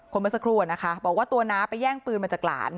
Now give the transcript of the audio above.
คนบริษัทครัวนะคะบอกว่าตัวน้าไปแย่งปืนมาจากหลาน